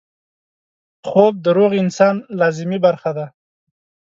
خوب د روغ انسان لازمي برخه ده